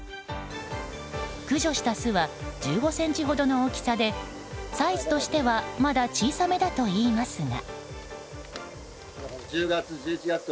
駆除した巣は１５ｃｍほどの大きさでサイズとしてはまだ小さめだといいますが。